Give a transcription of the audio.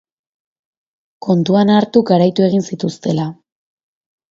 Kontuan hartu garaitu egin zituztela.